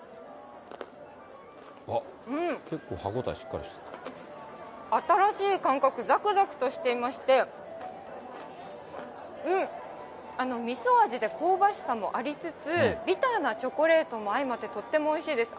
あっ、結構歯応えしっかりと新しい感覚、ざくざくとしていまして、みそ味で香ばしさもありつつ、ビターなチョコレートも相まってとってもおいしいです。